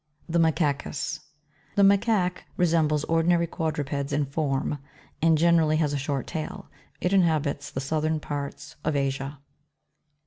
17. The MACACUS, the Macaque resembles ordinary quad rupeds in form, and generally has a short tail. It inhabits the southern parts of Asia.